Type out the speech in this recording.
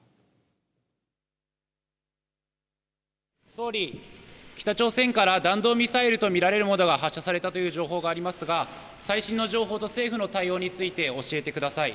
総理、北朝鮮から弾道ミサイルと見られるものが発射されたという情報がありますが、最新の情報と政府の対応について教えてください。